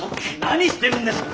何してるんですか！